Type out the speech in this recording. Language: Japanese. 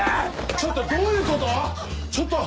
ちょっとどういうこと⁉ちょっと！